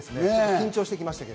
緊張してきました。